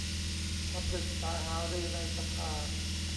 มาปรึกษาหารือในสภา